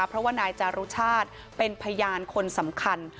เพราะว่านายจารุชาติเป็นพยานคนสำคัญ